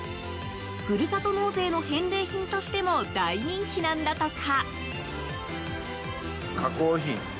ふるさと納税の返礼品としても大人気なんだとか。